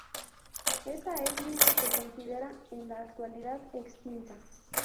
Esa etnia se considera en la actualidad extinta.